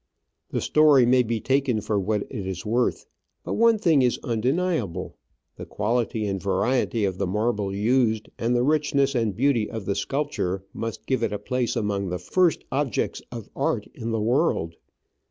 The story may be taken for what it is worth; but one thing is undeniable — the quality and variety of the marble used, and the richness and beauty of the sculpture, must give it a place amongst the first objects of art in the world.